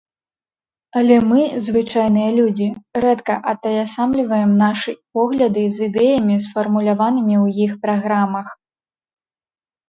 Але мы, звычайныя людзі, рэдка атаясамліваем нашы погляды з ідэямі, сфармуляванымі ў іх праграмах.